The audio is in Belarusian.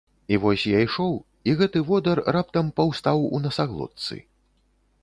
І вось я ішоў, і гэты водар раптам паўстаў у насаглотцы.